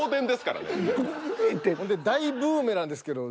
ほんで大ブーメランですけど。